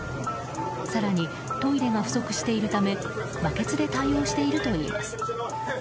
更にトイレが不足しているためバケツで対応しているといいます。